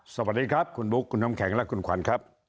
สวัสดีครับคุณบุ๊คคุณน้ำแข็งและคุณขวัญครับ